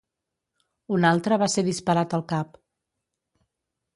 Un altre va ser disparat al cap.